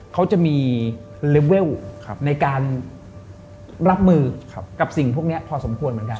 เขาจะมีเลเวลในการรับมือกับสิ่งพวกนี้พอสมควรเหมือนกัน